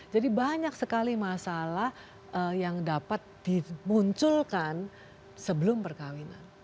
jadi banyak sekali masalah yang dapat dimunculkan sebelum perkawinan